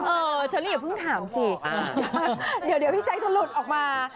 เชอรี่อย่าเพิ่งถามสิเดี๋ยวพี่ใจจะหลุดออกมา